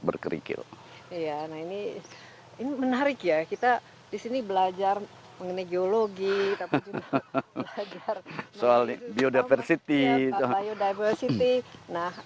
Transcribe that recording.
berkerikil ya nah ini ini menarik ya kita disini belajar mengenai geologi soal biodiversitas nah